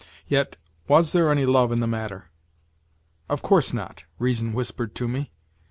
Yet was there any love in the matter? "Of course not," reason whispered to me.